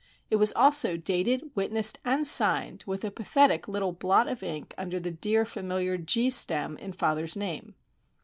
It was also dated, witnessed, and signed, with a pathetic little blot of ink under the dear familiar G stem in father's name.